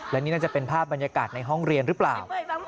และนี่น่าจะเป็นภาพบรรยากาศในห้องเรียนหรือเปล่า